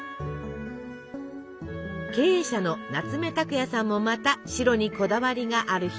経営者の夏目拓也さんもまた「白」にこだわりがある人。